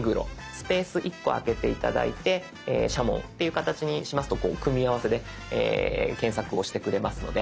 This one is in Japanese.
スペース１個空けて頂いて「社紋」っていう形にしますと組み合わせで検索をしてくれますので。